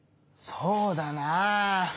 そうだな。